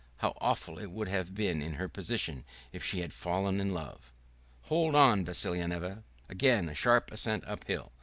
How awful it would have been in her position if she had fallen in love! "Hold on, Vassilyevna!" Again a sharp ascent uphill....